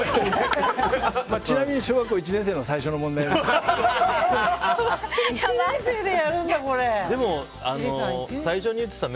ちなみに小学校１年生の最初の問題です。